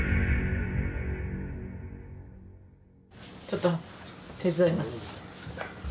ちょっと手伝います。